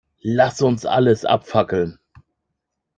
Lass uns alles abfackeln.